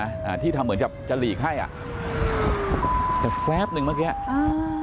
อ่าที่ทำเหมือนกับจะหลีกให้อ่ะแต่แฟบหนึ่งเมื่อกี้อ่า